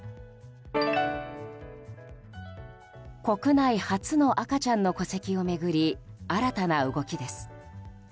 国内初の赤ちゃんの戸籍を巡り新たな動きです。